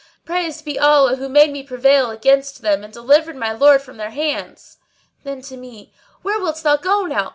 Praised be Allah who made me prevail against them and delivered my lord from their hands!" Then to me, "Where wilt thou go now?